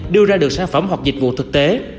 đưa ra được sản phẩm hoặc dịch vụ thực tế